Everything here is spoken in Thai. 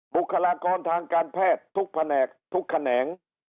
บุคลากรทางการแพทย์ทุกแผนกทุกแขนง